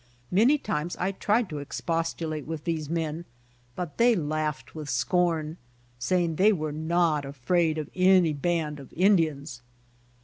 Many times I tried to expostulate with these mien, but they laughed with scorn, saying they were not afraid of any band of Indians.